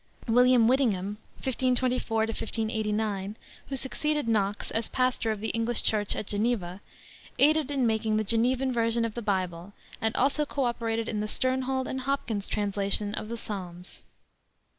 William Whittingham (1524 1589), who succeeded Knox as pastor of the English Church at Geneva, aided in making the Genevan Version of the Bible and also co operated in the Sternhold and Hopkins translation of the Psalms.